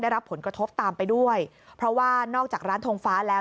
รับผลกระทบตามไปด้วยเพราะว่านอกจากร้านทงฟ้าแล้ว